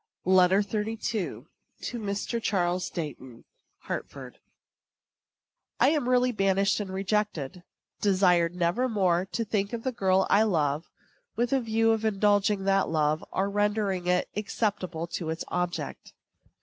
LETTER XXXII. TO MR. CHARLES DEIGHTON. HARTFORD. I am really banished and rejected desired nevermore to think of the girl I love with a view of indulging that love or of rendering it acceptable to its object.